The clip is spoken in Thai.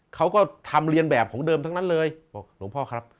เขาก็ทำเรียนแบบของเดิมทั้งนั้นเลยบอกหลวงพ่อครับ